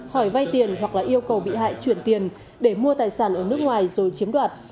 hỏi vay tiền hoặc là yêu cầu bị hại chuyển tiền để mua tài sản ở nước ngoài rồi chiếm đoạt